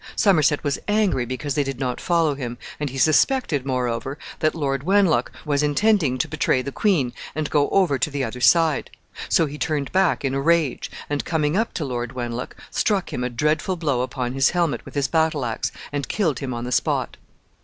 Somerset was angry because they did not follow him, and he suspected, moreover, that Lord Wenlock was intending to betray the queen and go over to the other side; so he turned back in a rage, and, coming up to Lord Wenlock, struck him a dreadful blow upon his helmet with his battle axe, and killed him on the spot.